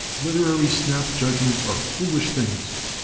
Literary snap judgments are foolish things.